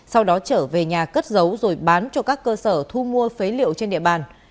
sau đó trở về nhà cất giấu rồi bán cho các cơ sở thu mua phế liệu trên địa bàn